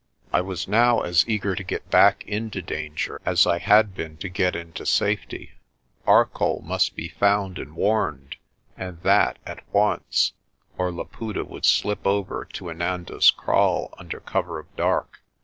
I was now as eager to get back into danger as I had been to get into safety. Arcoll must be found and warned and that at once, or Laputa would slip over to Inanda's Kraal under cover of dark.